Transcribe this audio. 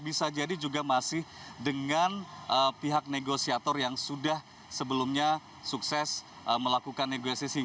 bisa jadi juga masih dengan pihak negosiator yang sudah sebelumnya sukses melakukan negosiasi